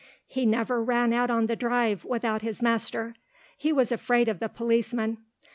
He never ran out on the Drive without his master. He was afraid of the policemen.